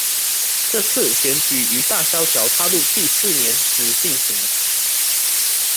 这次选举于大萧条踏入第四年时进行。